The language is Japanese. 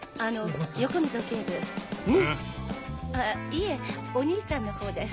いえお兄さんのほうで。